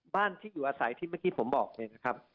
บ้านที่อยู่อาศัยที่เมื่อกี้ผมบอกเนี่ยนะครับ